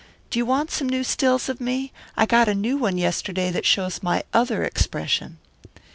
Do you want some new stills of me? I got a new one yesterday that shows my other expression.